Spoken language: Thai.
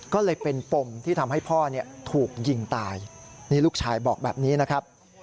ก็เลยเป็นปมที่ทำให้พ่อถูกยิงตายนี่ลูกชายบอกแบบนี้นะครับ